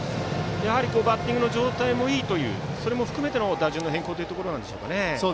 バッティングの状態もいいそれも含めての打順の変更ということでしょうか。